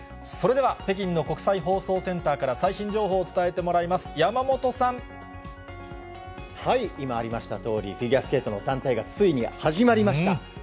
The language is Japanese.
それでは、北京の国際放送センターから最新情報を伝えてもらいます、山本さ今ありましたとおり、フィギュアスケートの団体が、ついに始まりました。